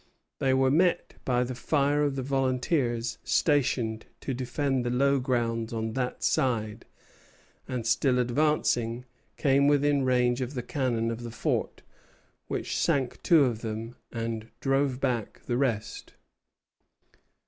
They were met by the fire of the volunteers stationed to defend the low grounds on that side, and, still advancing, came within range of the cannon of the fort, which sank two of them and drove back the rest.